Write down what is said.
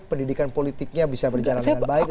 pendidikan politiknya bisa berjalan dengan baik